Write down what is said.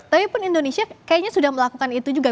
tapi pun indonesia kayaknya sudah melakukan itu juga